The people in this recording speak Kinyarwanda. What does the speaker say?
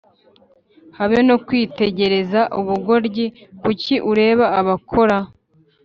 habe no kwitegereza ubugoryi Kuki ureba abakora